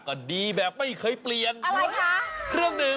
ก็ดีแบบไม่เคยเปลี่ยน